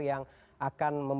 yang akan membahasnya